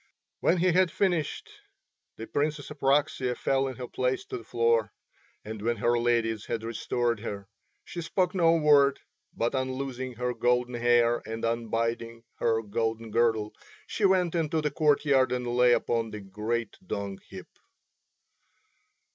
When he had finished the Princess Apraxia fell in her place to the floor; and when her ladies had restored her she spoke no word, but unloosing her golden hair and unbinding her golden girdle she went unto the courtyard and lay upon the great dung heap.